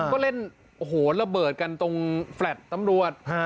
ก็เล่นระเบิดกันตรงแฟลชตำรวจ